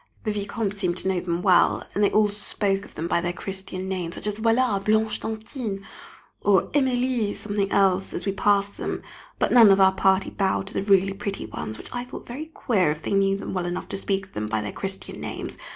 The Vicomte seemed to know them well, and they all spoke of them by their Christian names, such as, Voilà Blanche d'Antin! or Emilie something else, as we passed them, but none of our party bowed to the really pretty ones, which I thought very queer if they knew them well enough to speak of them by their Christian names.